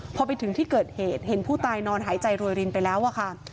พอไปถึงที่เกิดเหตุเห็นผู้ตายนอนหายใจโรยรินไปแล้วอะค่ะ